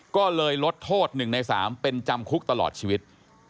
ก็เลยลดโทษ๑ใน๓เป็นจำคุกตลอดชีวิต